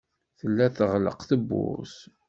Tella teɣleq tewwurt.